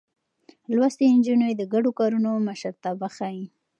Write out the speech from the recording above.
لوستې نجونې د ګډو کارونو مشرتابه ښيي.